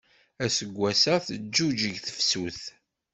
Aseggas-a teǧuǧeg tefsut.